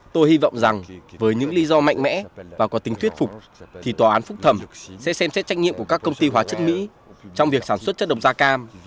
tôi hy vọng rằng với những lý do mạnh mẽ và có tính thuyết phục thì tòa án phúc thẩm sẽ xem xét trách nhiệm của các công ty hóa chất mỹ trong việc sản xuất chất độc da cam